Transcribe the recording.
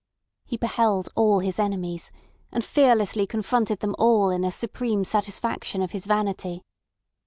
He beheld all his enemies, and fearlessly confronted them all in a supreme satisfaction of his vanity.